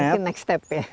itu next step ya